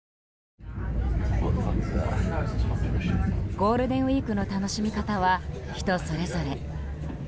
ゴールデンウィークの楽しみ方は人それぞれ。